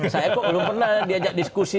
saya kok belum pernah diajak diskusi